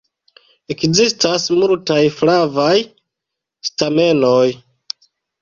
Ekzistas multaj flavaj stamenoj.